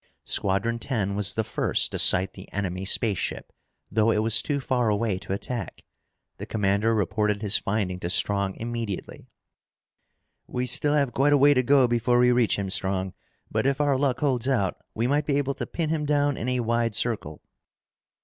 Squadron Ten was the first to sight the enemy spaceship, though it was too far away to attack. The commander reported his finding to Strong immediately. "We still have quite a way to go before we reach him, Strong. But if our luck holds out, we might be able to pin him down in a wide circle."